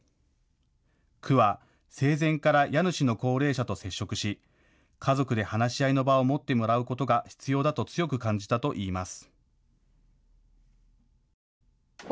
区は生前から家主の高齢者と接触し、家族で話し合いの場を持ってもらうことが必要だと強く感じたといいます。